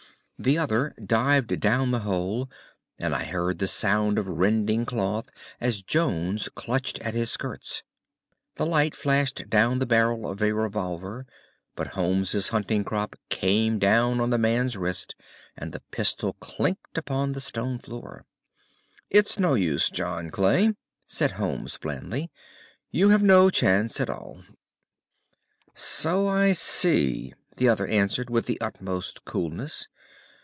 The other dived down the hole, and I heard the sound of rending cloth as Jones clutched at his skirts. The light flashed upon the barrel of a revolver, but Holmes' hunting crop came down on the man's wrist, and the pistol clinked upon the stone floor. "It's no use, John Clay," said Holmes blandly. "You have no chance at all." "So I see," the other answered with the utmost coolness.